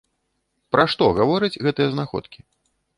Пра што гавораць гэтыя знаходкі?